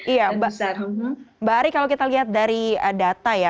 iya mbak ari kalau kita lihat dari data ya